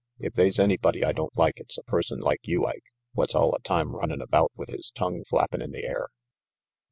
If they's anybody I don't like, it's a person like you, Ike, what's alia time runnin' about with his tongue flappin' in the air."